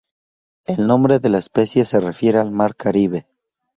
El nombre de la especie se refiere al mar Caribe.